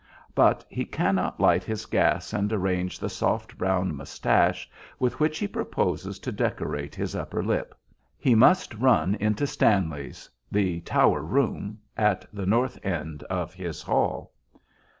But he cannot light his gas and arrange the soft brown moustache with which he proposes to decorate his upper lip. He must run into Stanley's, the "tower" room, at the north end of his hall.